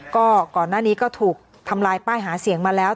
ก็ก่อนหน้านี้ก็ถูกทำลายป้ายหาเสียงมาแล้ว